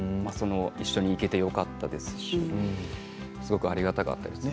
一緒に行けてよかったですしありがたかったです。